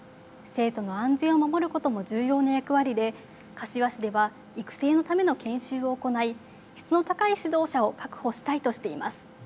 生徒の安全を守ることも重要な役割で、柏市では育成のための研修を行い、質の高い指導者を確保したいとしています。